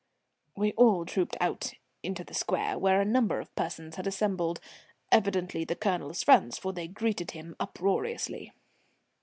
We all trooped out into the square, where a number of persons had assembled, evidently the Colonel's friends, for they greeted him uproariously.